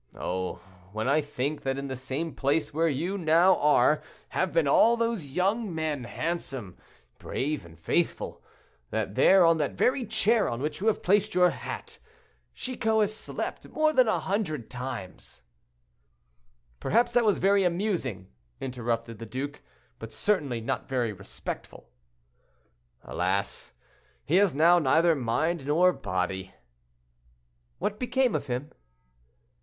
Oh! when I think that in the same place where you now are have been all those young men, handsome, brave, and faithful—that there, on that very chair on which you have placed your hat, Chicot has slept more than a hundred times—" "Perhaps that was very amusing," interrupted the duke, "but certainly not very respectful." "Alas! he has now neither mind nor body."—"What became of him?"